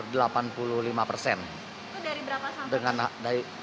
dari berapa sampai